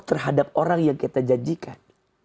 terhadap orang yang kita janjikan